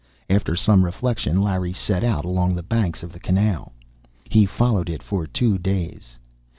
After some reflection, Larry set out along the banks of the canal. He followed it for two days.